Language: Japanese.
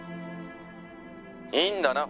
「いいんだな？